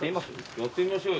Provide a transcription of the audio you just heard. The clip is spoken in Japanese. やってみましょうよ。